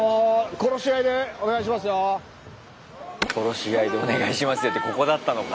「殺し合いでお願いしますよ」ってここだったのか。